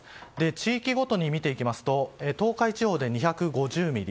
地域ごとに見ていきますと東海地方で２５０ミリ。